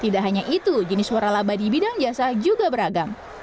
tidak hanya itu jenis suara laba di bidang jasa juga beragam